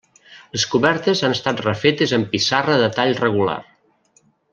Les cobertes han estat refetes amb pissarra de tall regular.